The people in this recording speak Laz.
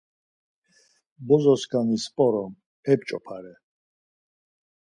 Bozoskani p̌orom, ep̌ç̌opare.